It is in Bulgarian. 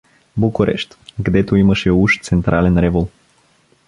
Букурещ, гдето имаше уж централен револ.